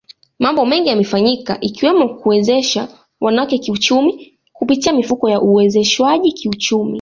Mambo mengi yamefanyika ikiwemo kuwezesha wanawake kiuchumi kupitia mifuko ya uwezeshwaji kiuchumi